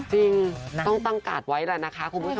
จริงต้องตั้งกาดไว้แล้วนะคะคุณผู้ชม